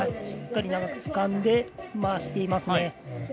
しっかり長くつかんで回していますね。